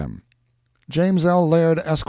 M. JAMES L. LAIRD, ESQ.